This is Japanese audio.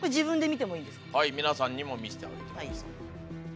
はい皆さんにも見せてあげてください。